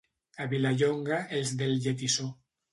A Vilallonga, els del lletissó.